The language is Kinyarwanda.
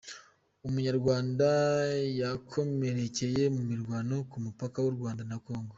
Umunyarwanda yakomerekeye mu mirwano ku mupaka w’u Rwanda na congo